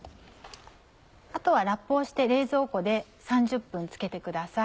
あとはラップをして冷蔵庫で３０分漬けてください。